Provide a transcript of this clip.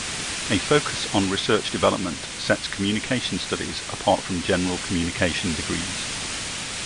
A focus on research development sets communication studies apart from general communication degrees.